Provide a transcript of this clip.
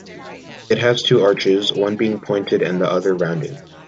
It has two arches, one being pointed and the other rounded.